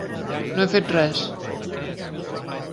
No he fet res.